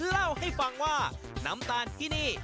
เล่าให้ฟังว่าน้ำตาลที่นี่